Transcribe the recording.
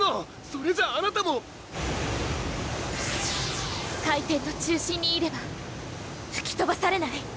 それじゃあなたも回転の中心にいればふきとばされない！